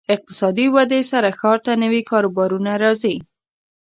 اقتصادي ودې سره ښار ته نوي کاروبارونه راځي.